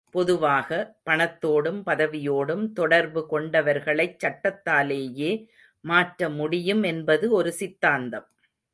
பொதுவாக, பணத்தோடும் பதவியோடும் தொடர்பு கொண்டவர்களைச் சட்டத்தாலேயே மாற்றமுடியும் என்பது ஒரு சித்தாந்தம்.